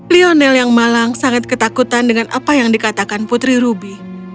lionel yang malang sangat ketakutan dengan apa yang dikatakan putri ruby